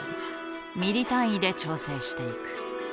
ミリ単位で調整していく。